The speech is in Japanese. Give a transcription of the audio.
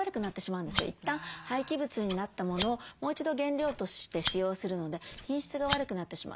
いったん廃棄物になったものをもう一度原料として使用するので品質が悪くなってしまう。